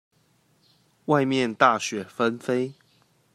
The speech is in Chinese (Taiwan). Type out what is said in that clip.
外面大雪紛飛